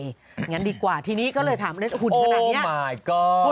งั้นดีกว่าทีนี้ก็เลยถามเล่นหุ่นขนาดนี้